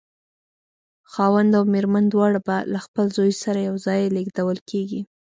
خاوند او مېرمن دواړه به له خپل زوی سره یو ځای لېږدول کېږي.